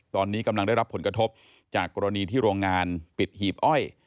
ตอนนี้กำลังได้รับผลกระทบจากกรณีที่โรงงานปิดหีบอ้อย